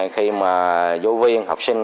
khi mà giáo viên học sinh